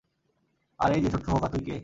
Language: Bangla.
আর এইযে, ছোট্ট খোকা, তুই কে?